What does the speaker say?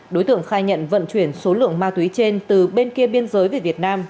đối tượng khai nhận vận chuyển số lượng ma túy trên từ bên kia biên giới về việt nam